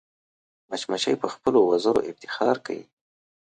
مچمچۍ په خپلو وزرو افتخار کوي